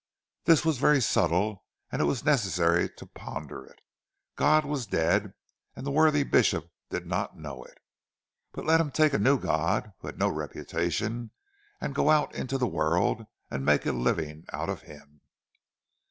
—This was very subtle and it was necessary to ponder it. God was dead; and the worthy bishop did not know it! But let him take a new God, who had no reputation, and go out into the world and make a living out of him!